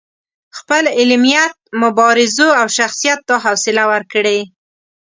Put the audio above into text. خپل علمیت، مبارزو او شخصیت دا حوصله ورکړې.